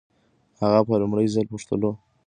اغا په لومړي ځل پوښتلو باندې ډېر سخت غوسه شو.